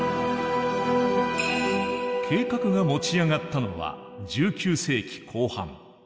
計画が持ち上がったのは１９世紀後半。